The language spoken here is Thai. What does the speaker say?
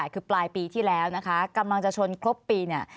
คือปลายปีที่แล้วนะคะกำลังจะชนครบปีเนี่ย